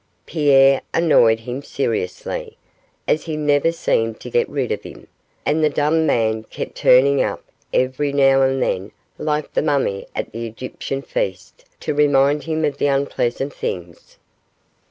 Pierre annoyed him seriously, as he never seemed to get rid of him, and the dumb man kept turning up every now and then like the mummy at the Egyptian feast to remind him of unpleasant things.